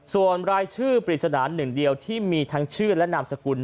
ส่วนรายชื่อปริศนาหนึ่งเดียวที่มีทั้งชื่อและนามสกุล